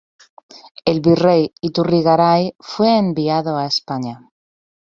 El virrey Iturrigaray fue enviado a España.